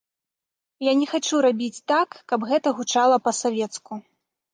Я не хачу рабіць так, каб гэта гучала па-савецку.